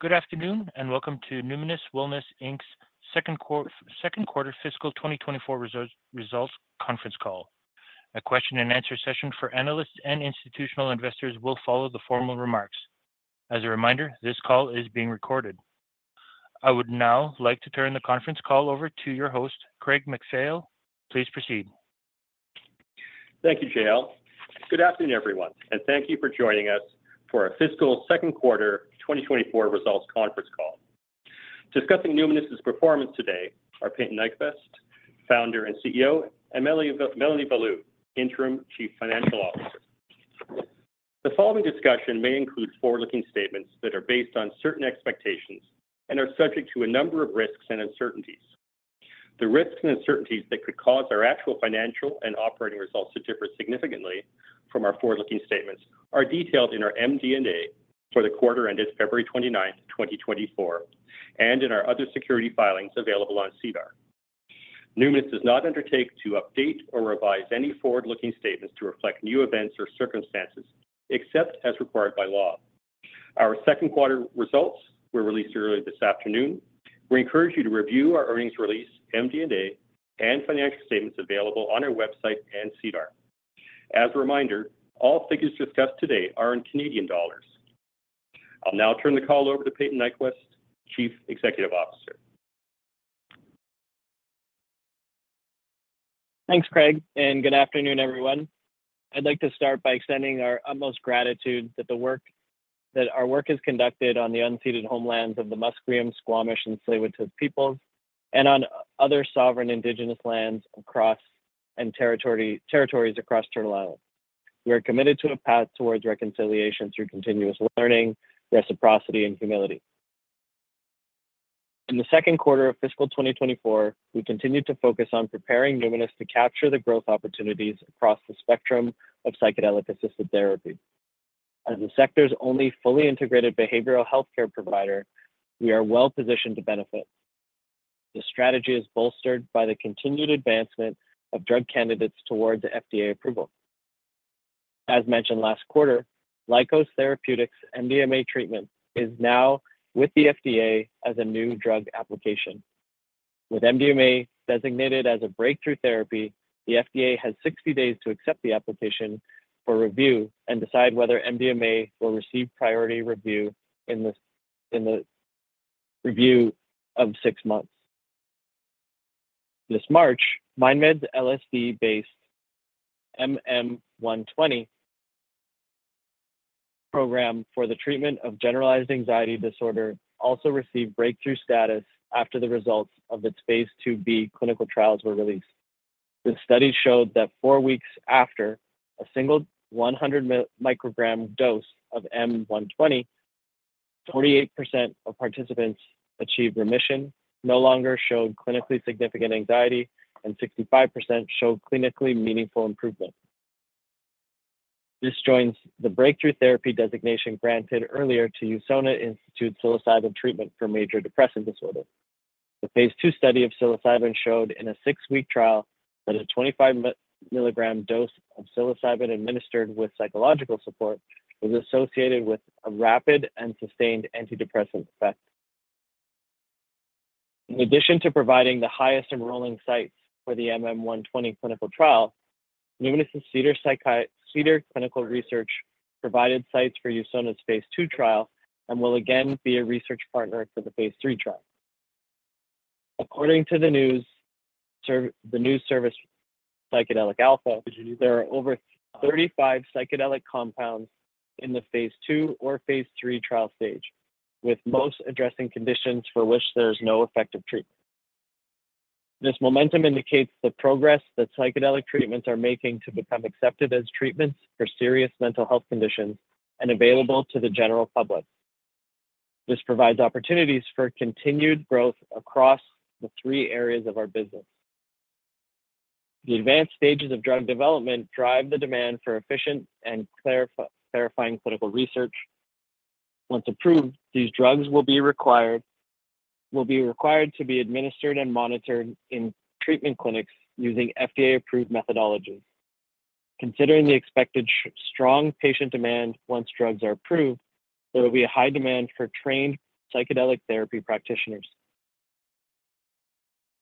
Good afternoon, and welcome to Numinus Wellness Inc.'s Second Quarter Fiscal 2024 Results conference call. A question and answer session for analysts and institutional investors will follow the formal remarks. As a reminder, this call is being recorded. I would now like to turn the conference call over to your host, Craig MacPhail. Please proceed. Thank you, JL. Good afternoon, everyone, and thank you for joining us for our fiscal second quarter 2024 results conference call. Discussing Numinus's performance today are Payton Nyquvest, Founder and CEO, and Melony Valleau, Interim Chief Financial Officer. The following discussion may include forward-looking statements that are based on certain expectations and are subject to a number of risks and uncertainties. The risks and uncertainties that could cause our actual financial and operating results to differ significantly from our forward-looking statements are detailed in our MD&A for the quarter ended February 29, 2024, and in our other security filings available on SEDAR. Numinus does not undertake to update or revise any forward-looking statements to reflect new events or circumstances, except as required by law. Our second quarter results were released earlier this afternoon. We encourage you to review our earnings release, MD&A, and financial statements available on our website and SEDAR. As a reminder, all figures discussed today are in Canadian dollars. I'll now turn the call over to Payton Nyquvest, Chief Executive Officer. Thanks, Craig, and good afternoon, everyone. I'd like to start by extending our utmost gratitude that our work is conducted on the unceded homelands of the Musqueam, Squamish, and Tsleil-Waututh peoples, and on other sovereign indigenous lands across and territories across Turtle Island. We are committed to a path towards reconciliation through continuous learning, reciprocity, and humility. In the second quarter of fiscal 2024, we continued to focus on preparing Numinus to capture the growth opportunities across the spectrum of psychedelic-assisted therapy. As the sector's only fully integrated behavioral healthcare provider, we are well-positioned to benefit. The strategy is bolstered by the continued advancement of drug candidates towards FDA approval. As mentioned last quarter, Lykos Therapeutics' MDMA treatment is now with the FDA as a new drug application. With MDMA designated as a breakthrough therapy, the FDA has 60 days to accept the application for review and decide whether MDMA will receive priority review in this, in the review of six months. This March, MindMed's LSD-based MM120 program for the treatment of generalized anxiety disorder also received breakthrough status after the results of its Phase IIb clinical trials were released. The study showed that four weeks after a single 100 microgram dose of MM120, 48% of participants achieved remission, no longer showed clinically significant anxiety, and 65% showed clinically meaningful improvement. This joins the breakthrough therapy designation granted earlier to Usona Institute's psilocybin treatment for major depressive disorder. The Phase II study of psilocybin showed in a six-week trial that a 25 mg dose of psilocybin administered with psychological support was associated with a rapid and sustained antidepressant effect. In addition to providing the highest enrolling sites for the MM120 clinical trial, Numinus Cedar Clinical Research provided sites for Usona's phase II trial and will again be a research partner for the phase III trial. According to the news service, Psychedelic Alpha, there are over 35 psychedelic compounds in the phase II or phase III trial stage, with most addressing conditions for which there is no effective treatment. This momentum indicates the progress that psychedelic treatments are making to become accepted as treatments for serious mental health conditions and available to the general public. This provides opportunities for continued growth across the three areas of our business. The advanced stages of drug development drive the demand for efficient and clarifying clinical research. Once approved, these drugs will be required to be administered and monitored in treatment clinics using FDA-approved methodology. Considering the expected strong patient demand once drugs are approved, there will be a high demand for trained psychedelic therapy practitioners.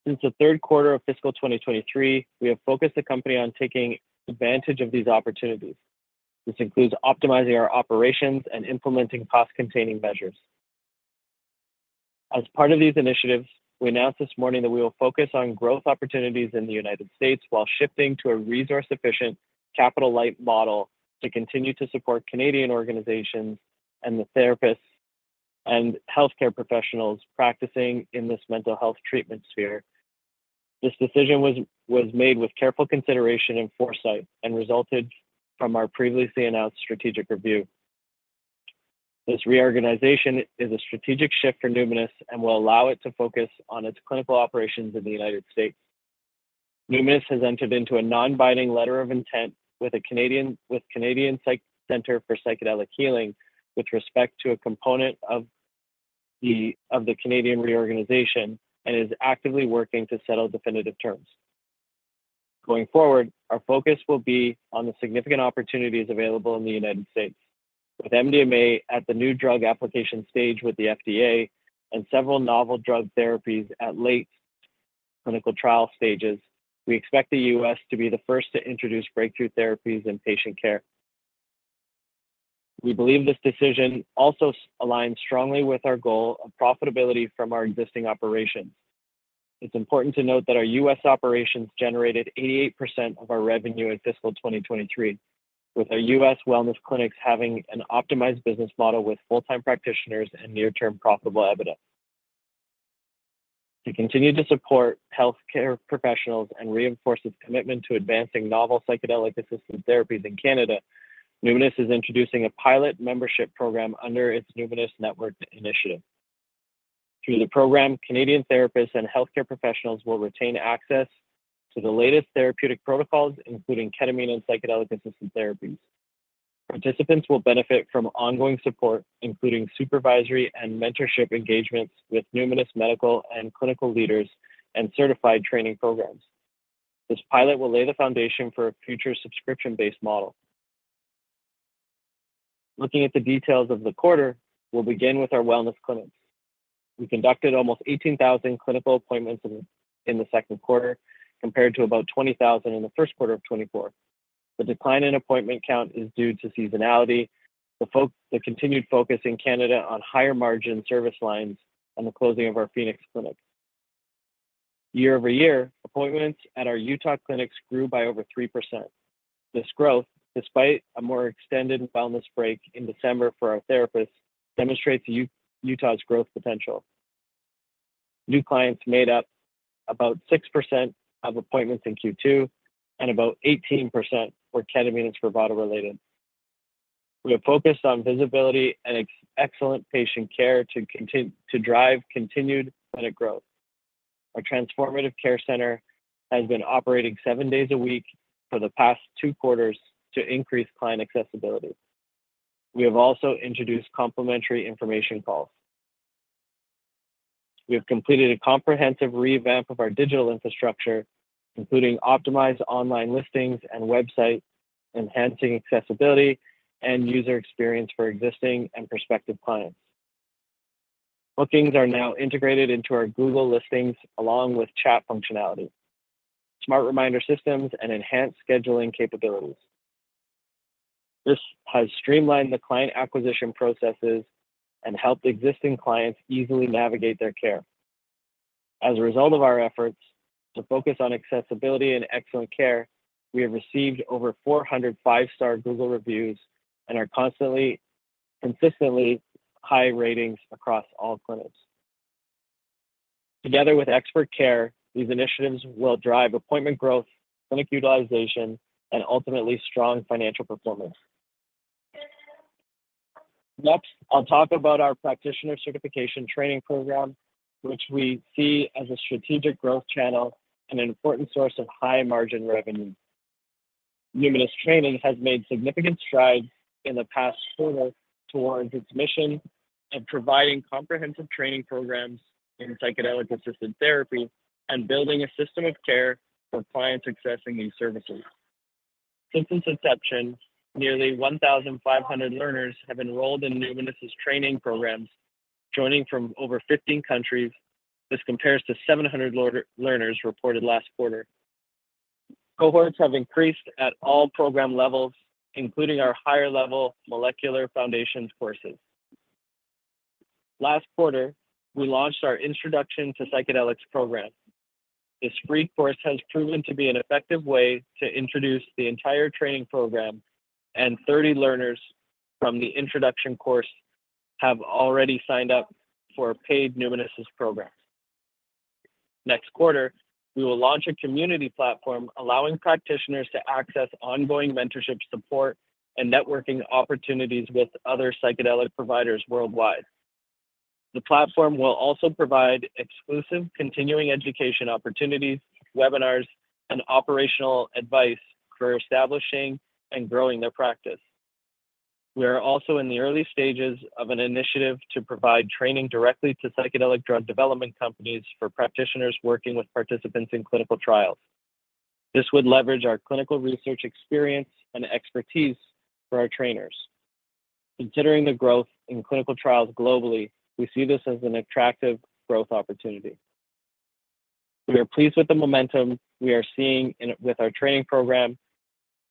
Since the third quarter of fiscal 2023, we have focused the company on taking advantage of these opportunities. This includes optimizing our operations and implementing cost-containing measures. As part of these initiatives, we announced this morning that we will focus on growth opportunities in the United States while shifting to a resource-efficient, capital-light model to continue to support Canadian organizations and the therapists and healthcare professionals practicing in this mental health treatment sphere. This decision was made with careful consideration and foresight and resulted from our previously announced strategic review. This reorganization is a strategic shift for Numinus and will allow it to focus on its clinical operations in the United States. Numinus has entered into a non-binding letter of intent with the Canadian Centre for Psychedelic Healing, with respect to a component of the Canadian reorganization, and is actively working to settle definitive terms. Going forward, our focus will be on the significant opportunities available in the United States. With MDMA at the new drug application stage with the FDA and several novel drug therapies at late clinical trial stages, we expect the U.S. to be the first to introduce breakthrough therapies in patient care. We believe this decision also aligns strongly with our goal of profitability from our existing operations. It's important to note that our U.S. operations generated 88% of our revenue in fiscal 2023, with our U.S. wellness clinics having an optimized business model with full-time practitioners and near-term profitable evidence. To continue to support healthcare professionals and reinforce its commitment to advancing novel psychedelic-assisted therapies in Canada, Numinus is introducing a pilot membership program under its Numinus Network initiative. Through the program, Canadian therapists and healthcare professionals will retain access to the latest therapeutic protocols, including ketamine and psychedelic-assisted therapies. Participants will benefit from ongoing support, including supervisory and mentorship engagements with Numinus medical and clinical leaders and certified training programs. This pilot will lay the foundation for a future subscription-based model. Looking at the details of the quarter, we'll begin with our wellness clinics. We conducted almost 18,000 clinical appointments in the second quarter, compared to about 20,000 in the first quarter of 2024. The decline in appointment count is due to seasonality, the continued focus in Canada on higher margin service lines, and the closing of our Phoenix clinic. Year over year, appointments at our Utah clinics grew by over 3%. This growth, despite a more extended wellness break in December for our therapists, demonstrates Utah's growth potential. New clients made up about 6% of appointments in Q2, and about 18% were ketamine and Spravato related. We are focused on visibility and excellent patient care to drive continued clinic growth. Our Transformative Care Center has been operating seven days a week for the past two quarters to increase client accessibility. We have also introduced complimentary information calls. We have completed a comprehensive revamp of our digital infrastructure, including optimized online listings and websites, enhancing accessibility and user experience for existing and prospective clients. Bookings are now integrated into our Google listings, along with chat functionality, smart reminder systems, and enhanced scheduling capabilities. This has streamlined the client acquisition processes and helped existing clients easily navigate their care. As a result of our efforts to focus on accessibility and excellent care, we have received over 400 five-star Google reviews and are constantly, consistently high ratings across all clinics. Together with expert care, these initiatives will drive appointment growth, clinic utilization, and ultimately strong financial performance. Next, I'll talk about our practitioner certification training program, which we see as a strategic growth channel and an important source of high-margin revenue. Numinus Training has made significant strides in the past quarter towards its mission of providing comprehensive training programs in psychedelic-assisted therapy and building a system of care for clients accessing these services. Since inception, nearly 1,500 learners have enrolled in Numinus's training programs, joining from over 15 countries. This compares to 700 learners reported last quarter. Cohorts have increased at all program levels, including our higher-level Molecular Foundations courses. Last quarter, we launched our Introduction to Psychedelics program. This free course has proven to be an effective way to introduce the entire training program, and 30 learners from the introduction course have already signed up for paid Numinus's programs. Next quarter, we will launch a community platform, allowing practitioners to access ongoing mentorship support and networking opportunities with other psychedelic providers worldwide. The platform will also provide exclusive continuing education opportunities, webinars, and operational advice for establishing and growing their practice. We are also in the early stages of an initiative to provide training directly to psychedelic drug development companies for practitioners working with participants in clinical trials. This would leverage our clinical research experience and expertise for our trainers. Considering the growth in clinical trials globally, we see this as an attractive growth opportunity. We are pleased with the momentum we are seeing in with our training program.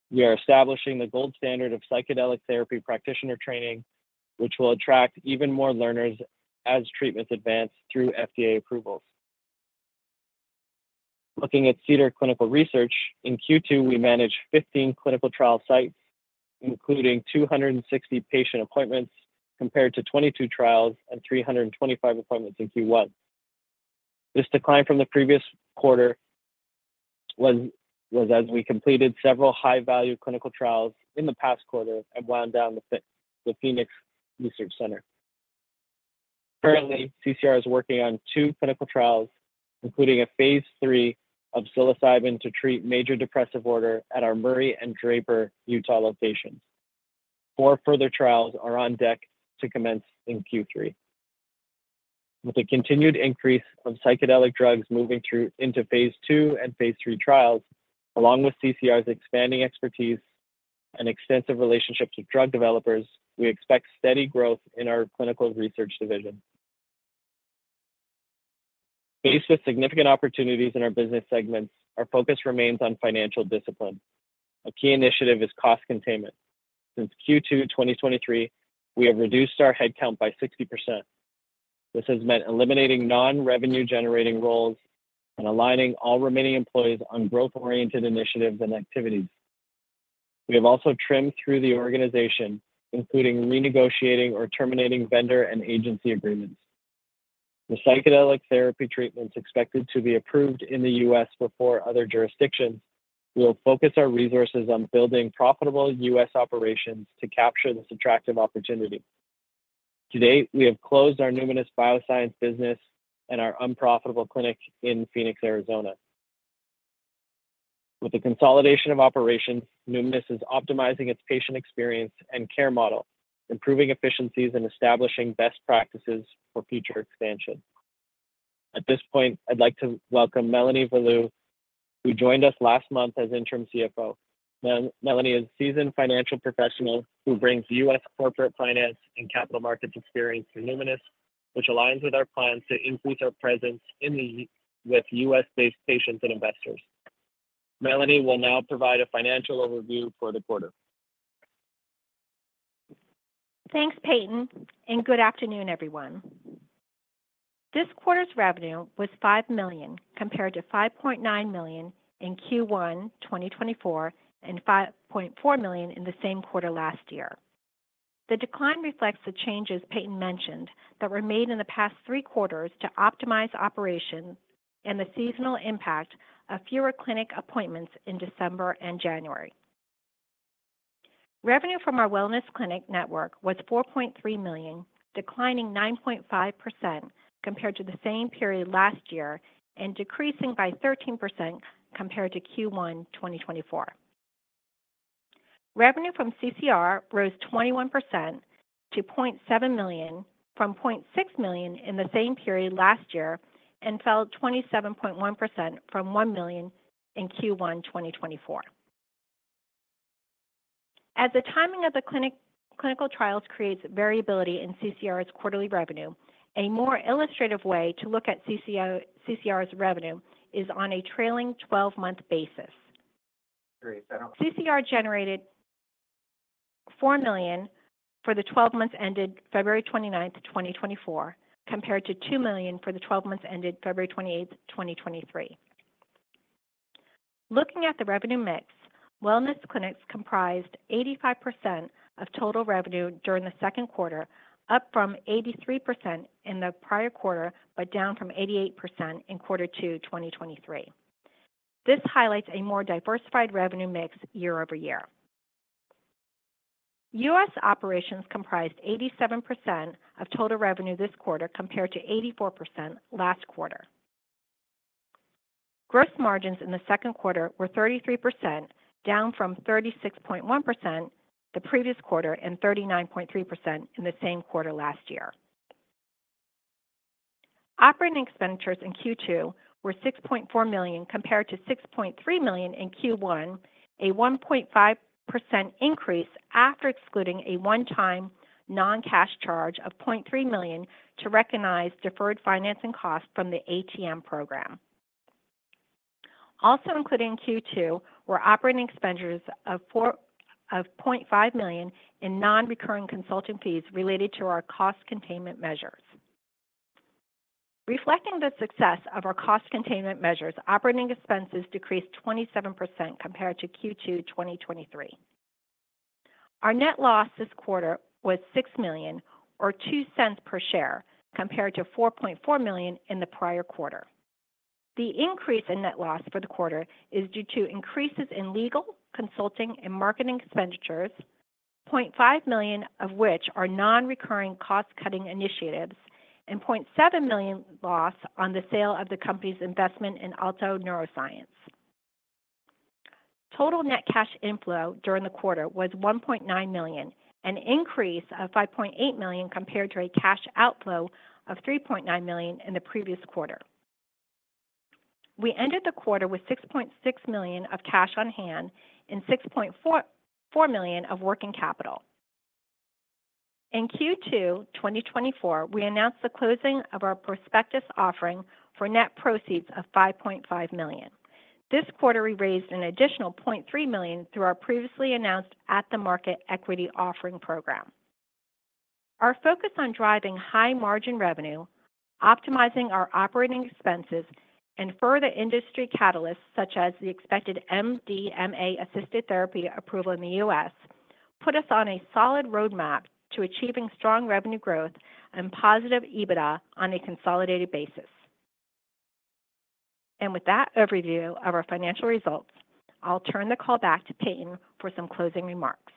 We are establishing the gold standard of psychedelic therapy practitioner training, which will attract even more learners as treatments advance through FDA approvals. Looking at Cedar Clinical Research, in Q2, we managed 15 clinical trial sites, including 260 patient appointments, compared to 22 trials and 325 appointments in Q1. This decline from the previous quarter was as we completed several high-value clinical trials in the past quarter and wound down the Phoenix Research Center. Currently, CCR is working on two clinical trials, including a phase III of psilocybin to treat major depressive disorder at our Murray and Draper, Utah locations. Four further trials are on deck to commence in Q3... With the continued increase of psychedelic drugs moving through into phase II and phase 3 trials, along with CCR's expanding expertise and extensive relationships with drug developers, we expect steady growth in our clinical research division. Faced with significant opportunities in our business segments, our focus remains on financial discipline. A key initiative is cost containment. Since Q2 2023, we have reduced our headcount by 60%. This has meant eliminating non-revenue generating roles and aligning all remaining employees on growth-oriented initiatives and activities. We have also trimmed through the organization, including renegotiating or terminating vendor and agency agreements. With psychedelic therapy treatments expected to be approved in the U.S. before other jurisdictions, we will focus our resources on building profitable U.S. operations to capture this attractive opportunity. Today, we have closed our Numinus Bioscience business and our unprofitable clinic in Phoenix, Arizona. With the consolidation of operations, Numinus is optimizing its patient experience and care model, improving efficiencies, and establishing best practices for future expansion. At this point, I'd like to welcome Melony Valleau, who joined us last month as Interim CFO. Melony is a seasoned financial professional who brings U.S. corporate finance and capital markets experience to Numinus, which aligns with our plans to increase our presence in the with U.S.-based patients and investors. Melony will now provide a financial overview for the quarter. Thanks, Payton, and good afternoon, everyone. This quarter's revenue was 5 million, compared to 5.9 million in Q1 2024 and 5.4 million in the same quarter last year. The decline reflects the changes Payton mentioned that were made in the past three quarters to optimize operations and the seasonal impact of fewer clinic appointments in December and January. Revenue from our wellness clinic network was 4.3 million, declining 9.5% compared to the same period last year and decreasing by 13% compared to Q1 2024. Revenue from CCR rose 21% to 0.7 million, from 0.6 million in the same period last year, and fell 27.1% from 1 million in Q1 2024. As the timing of the clinic, clinical trials creates variability in CCR's quarterly revenue, a more illustrative way to look at CCR's revenue is on a trailing 12-month basis. CCR generated 4 million for the 12 months ended February 29, 2024, compared to 2 million for the twelve months ended February 28, 2023. Looking at the revenue mix, wellness clinics comprised 85% of total revenue during the second quarter, up from 83% in the prior quarter, but down from 88% in quarter two, 2023. This highlights a more diversified revenue mix year-over-year. U.S. operations comprised 87% of total revenue this quarter, compared to 84% last quarter. Gross margins in the second quarter were 33%, down from 36.1% the previous quarter and 39.3% in the same quarter last year. Operating expenditures in Q2 were 6.4 million, compared to 6.3 million in Q1, a 1.5% increase after excluding a one-time non-cash charge of 0.3 million to recognize deferred financing costs from the ATM program. Also included in Q2 were operating expenditures of 0.5 million in non-recurring consulting fees related to our cost containment measures. Reflecting the success of our cost containment measures, operating expenses decreased 27% compared to Q2 2023. Our net loss this quarter was 6 million, or 0.02 per share, compared to 4.4 million in the prior quarter. The increase in net loss for the quarter is due to increases in legal, consulting, and marketing expenditures, 0.5 million of which are non-recurring cost-cutting initiatives and 0.7 million loss on the sale of the company's investment in Alto Neuroscience. Total net cash inflow during the quarter was 1.9 million, an increase of 5.8 million compared to a cash outflow of 3.9 million in the previous quarter. We ended the quarter with 6.6 million of cash on hand and 6.44 million of working capital. In Q2 2024, we announced the closing of our prospectus offering for net proceeds of 5.5 million. This quarter, we raised an additional 0.3 million through our previously announced at-the-market equity offering program. Our focus on driving high-margin revenue, optimizing our operating expenses, and further industry catalysts, such as the expected MDMA-assisted therapy approval in the U.S., put us on a solid roadmap to achieving strong revenue growth and positive EBITDA on a consolidated basis. With that overview of our financial results, I'll turn the call back to Payton for some closing remarks.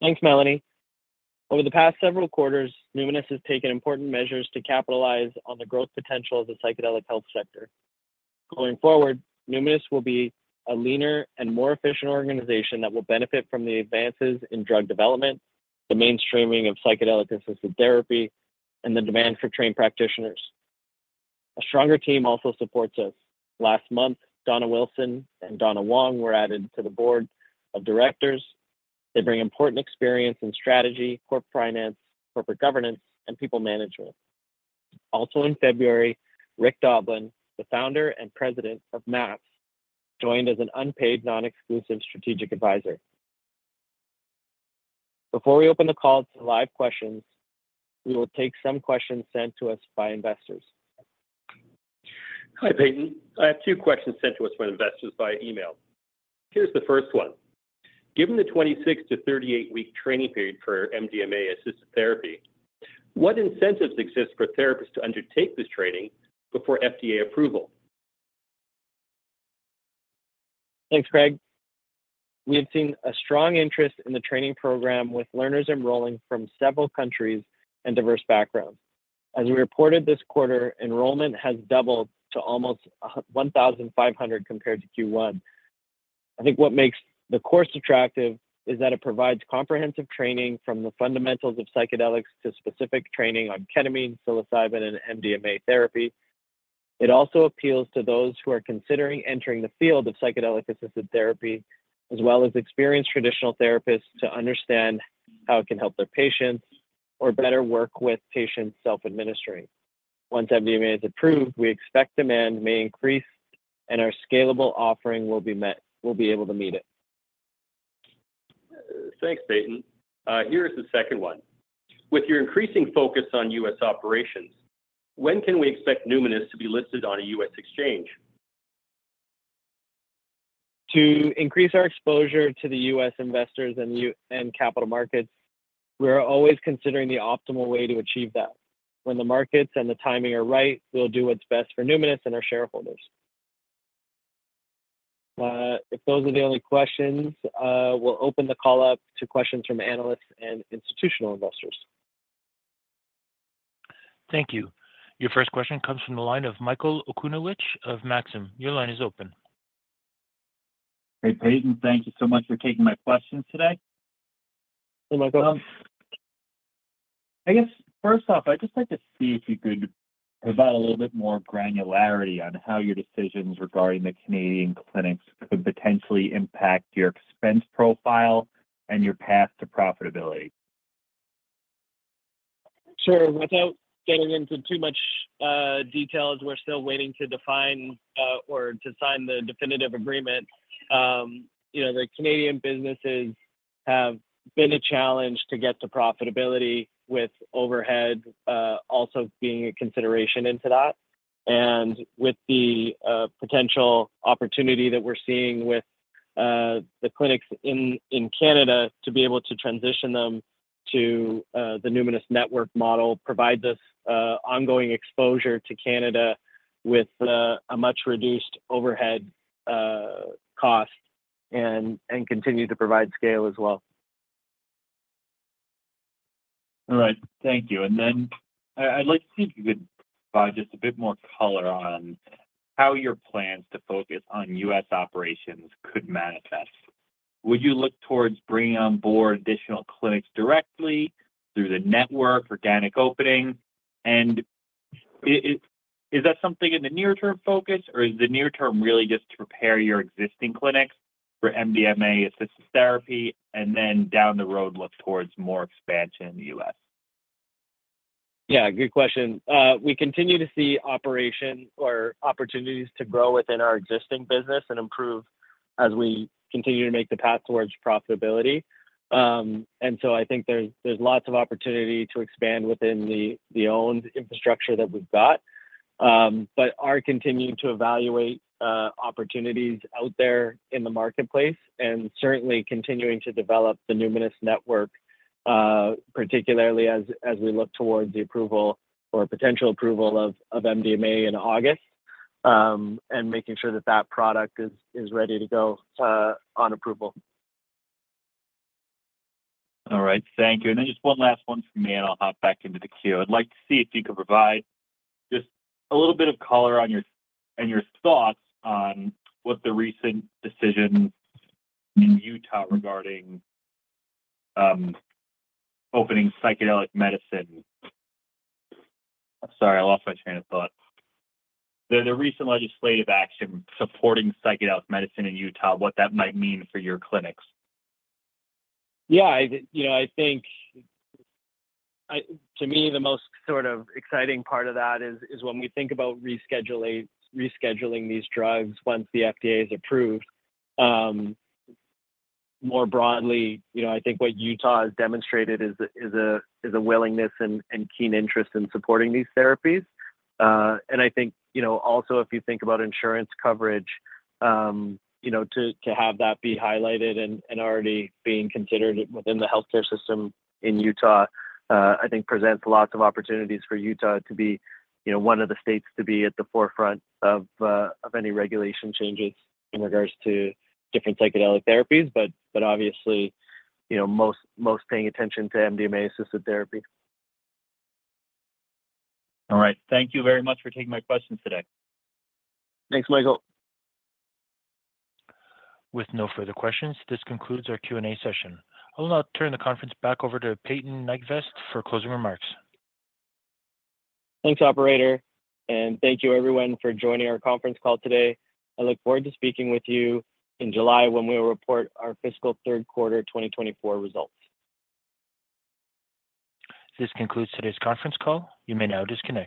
Thanks, Melony. Over the past several quarters, Numinus has taken important measures to capitalize on the growth potential of the psychedelic health sector... Going forward, Numinus will be a leaner and more efficient organization that will benefit from the advances in drug development, the mainstreaming of psychedelic-assisted therapy, and the demand for trained practitioners. A stronger team also supports us. Last month, Donna Wilson and Donna Wong were added to the board of directors. They bring important experience in strategy, corporate finance, corporate governance, and people management. Also in February, Rick Doblin, the founder and president of MAPS, joined as an unpaid, non-exclusive strategic advisor. Before we open the call to live questions, we will take some questions sent to us by investors. Hi, Payton. I have two questions sent to us from investors via email. Here's the first one: Given the 26-38-week training period for MDMA-assisted therapy, what incentives exist for therapists to undertake this training before FDA approval? Thanks, Craig. We have seen a strong interest in the training program, with learners enrolling from several countries and diverse backgrounds. As we reported this quarter, enrollment has doubled to almost 1,500 compared to Q1. I think what makes the course attractive is that it provides comprehensive training from the fundamentals of psychedelics to specific training on ketamine, psilocybin, and MDMA therapy. It also appeals to those who are considering entering the field of psychedelic-assisted therapy, as well as experienced traditional therapists to understand how it can help their patients or better work with patients self-administering. Once MDMA is approved, we expect demand may increase, and our scalable offering will be met, we'll be able to meet it. Thanks, Payton. Here is the second one. With your increasing focus on U.S. operations, when can we expect Numinus to be listed on a U.S. exchange? To increase our exposure to the U.S. investors and capital markets, we are always considering the optimal way to achieve that. When the markets and the timing are right, we'll do what's best for Numinus and our shareholders. If those are the only questions, we'll open the call up to questions from analysts and institutional investors. Thank you. Your first question comes from the line of Michael Okunewitch of Maxim. Your line is open. Hey, Payton. Thank you so much for taking my questions today. Hey, Michael. I guess first off, I'd just like to see if you could provide a little bit more granularity on how your decisions regarding the Canadian clinics could potentially impact your expense profile and your path to profitability. Sure. Without getting into too much details, we're still waiting to define or to sign the definitive agreement. You know, the Canadian businesses have been a challenge to get to profitability, with overhead also being a consideration into that. And with the potential opportunity that we're seeing with the clinics in Canada, to be able to transition them to the Numinus Network model, provides us ongoing exposure to Canada with a much reduced overhead cost, and continue to provide scale as well. All right. Thank you. And then, I'd like to see if you could provide just a bit more color on how your plans to focus on U.S. operations could manifest. Would you look towards bringing on board additional clinics directly through the network, organic opening? And is that something in the near-term focus, or is the near term really just to prepare your existing clinics for MDMA-assisted therapy, and then down the road, look towards more expansion in the U.S.? Yeah, good question. We continue to see operation or opportunities to grow within our existing business and improve as we continue to make the path towards profitability. And so I think there's, there's lots of opportunity to expand within the, the owned infrastructure that we've got. But are continuing to evaluate, opportunities out there in the marketplace and certainly continuing to develop the Numinus network, particularly as, as we look towards the approval or potential approval of, of MDMA in August, and making sure that that product is, is ready to go, on approval. All right. Thank you. And then just one last one from me, and I'll hop back into the queue. I'd like to see if you could provide just a little bit of color on your... and your thoughts on what the recent decision in Utah regarding opening psychedelic medicine. I'm sorry, I lost my train of thought. The recent legislative action supporting psychedelic medicine in Utah, what that might mean for your clinics. Yeah, you know, I think to me the most sort of exciting part of that is when we think about rescheduling these drugs once the FDA is approved. More broadly, you know, I think what Utah has demonstrated is a willingness and keen interest in supporting these therapies. And I think, you know, also, if you think about insurance coverage, you know, to have that be highlighted and already being considered within the healthcare system in Utah, I think presents lots of opportunities for Utah to be, you know, one of the states to be at the forefront of any regulation changes in regards to different psychedelic therapies, but obviously, you know, most paying attention to MDMA-assisted therapy. All right. Thank you very much for taking my questions today. Thanks, Michael. With no further questions, this concludes our Q&A session. I'll now turn the conference back over to Payton Nyquvest for closing remarks. Thanks, operator, and thank you everyone for joining our conference call today. I look forward to speaking with you in July when we will report our fiscal third quarter 2024 results. This concludes today's conference call. You may now disconnect.